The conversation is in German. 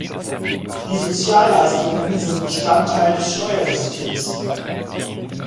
Die Sozialleistungen sind Bestandteil des Steuersystems.